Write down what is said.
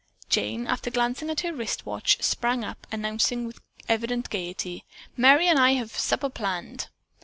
Jane, after glancing at her wrist watch, sprang up, announcing with evident gaiety: "Merry and I have a supper planned."